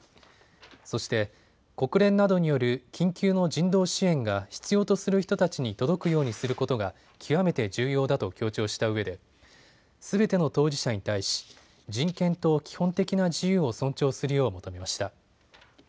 そして、国連などによる緊急の人道支援が必要とする人たちに届くようにすることが極めて重要だと強調したうえですべての当事者に対し人権と基本的な自由を尊重するよう求めました。